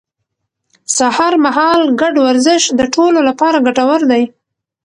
سهار مهال ګډ ورزش د ټولو لپاره ګټور دی